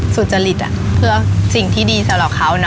สิ่งที่ดีสำหรับเขาเนอะ